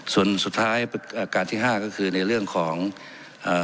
ส่วนสุดท้ายประกาศที่ห้าก็คือในเรื่องของเอ่อ